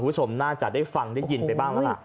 คุณผู้ชมน่าจะได้ฟังได้ยินไปบ้างแล้วล่ะ